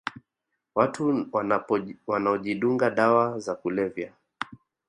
Watu wanaojidunga dawa za kulevya